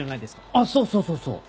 あっそうそうそう。